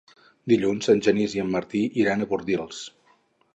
Dilluns en Genís i en Martí iran a Bordils.